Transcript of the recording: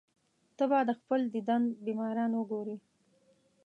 ته به د خپل دیدن بیماران وګورې.